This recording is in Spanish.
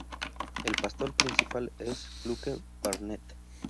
El pastor principal es Luke Barnett.